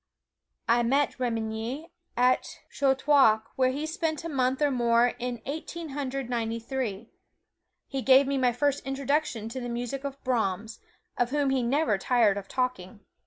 I met Remenyi at Chautauqua, where he spent a month or more in Eighteen Hundred Ninety three. He gave me my first introduction to the music of Brahms, of whom he never tired of talking.